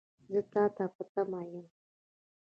زه تا ته په تمه یم .